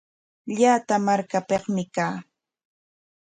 Llata markapikmi kaa.